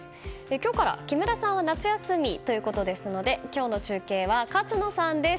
今日から木村さんは夏休みということですので今日の中継は勝野さんです。